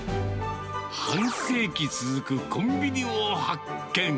半世紀続くコンビニを発見。